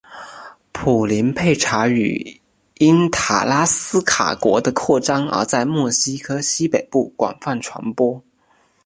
普雷佩查语因塔拉斯卡国的扩张而在墨西哥西北部广泛传播。